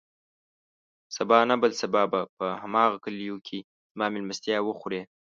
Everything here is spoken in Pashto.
سبا نه، بل سبا به په هماغه کليو کې زما مېلمستيا وخورې.